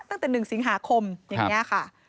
ตั้งแต่๑สิงหาคมอย่างนี้ค่ะ